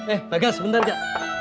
eh bagas bentar kak